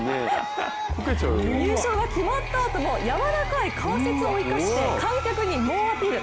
優勝が決まったあともやわらかい関節を生かして観客に猛アピール。